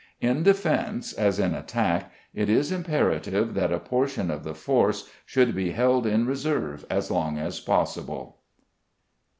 In defence, as in attack, it is imperative that a portion of the force should be held in reserve as long as possible.